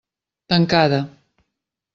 Tancada.